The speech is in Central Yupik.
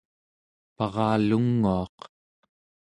paralunguaq